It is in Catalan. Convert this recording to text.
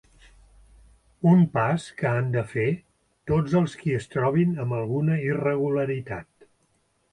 Un pas que han de fer tots els qui es trobin amb alguna irregularitat.